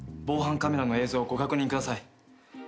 防犯カメラの映像をご確認ください。